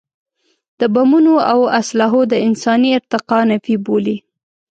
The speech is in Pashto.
د بمونو او اسلحو د انساني ارتقا نفي بولي.